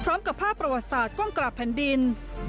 พร้อมกับภาพประวัติศาสตร์กล้องกราบแผ่นดิน